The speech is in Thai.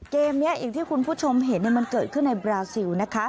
เกมนี้อย่างที่คุณผู้ชมเห็นมันเกิดขึ้นในบราซิลนะคะ